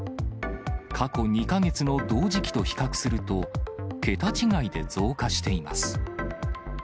過去２か月の同時期と比較すると桁違いで増加しています。